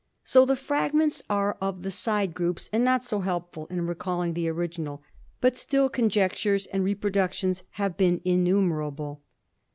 So the fragments are of the side groups and not so helpful in recalling the original, but still conjectures and reproductions have been innumerable.